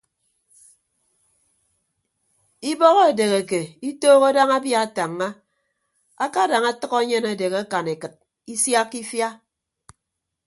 Ibọk edeheke itooho daña abia atañña akadañ atʌk enyen adehe akan ekịt isiakka ifia.